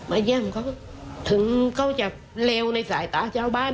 อาหญ้าของเขาถึงเขาจะเลวในสายตาชาวบ้าน